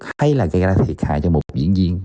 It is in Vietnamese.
hay là gây ra thiệt hại cho một diễn viên